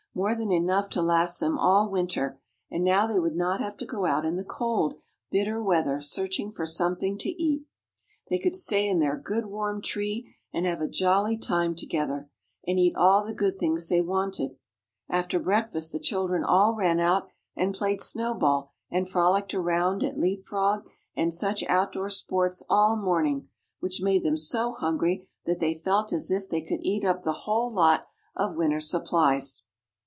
More than enough to last them all winter, and now they would not have to go out in the cold, bitter weather, searching for something to eat. They could stay in their good warm tree, and have a jolly time together, and eat all the good things they wanted. After breakfast the children all ran out and played snowball and frolicked around at leap frog and such outdoor sports all morning, which made them so hungry that they felt as if they could eat up the whole lot of winter supplies.